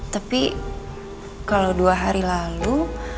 tapi kalau dua hari lalu